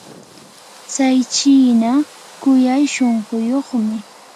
tsay chiina kuyay shunquyuqmi.